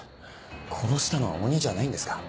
殺したのは鬼じゃないんですか？